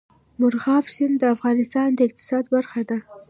مورغاب سیند د افغانستان د اقتصاد برخه ده.